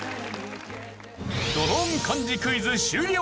ドローン漢字クイズ終了！